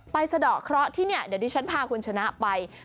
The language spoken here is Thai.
สะดอกเคราะห์ที่นี่เดี๋ยวดิฉันพาคุณชนะไป